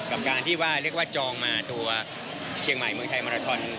กับการที่ว่าเรียกว่าจองมาตัวเชียงใหม่เมืองไทยมาราทอน